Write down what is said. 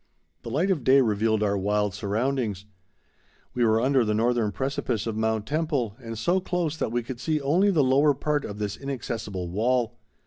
The light of day revealed our wild surroundings. We were under the northern precipice of Mount Temple, and so close that we could see only the lower part of this inaccessible wall.